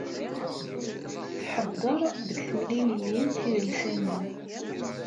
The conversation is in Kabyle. Tḥeddeṛ deg temliliyin tidelsanin.